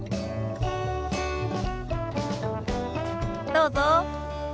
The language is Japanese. どうぞ。